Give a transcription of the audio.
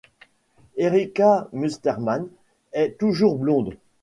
Erika Mustermann est toujours blonde.